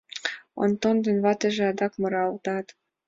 Онтон ден ватыже адак муралтат.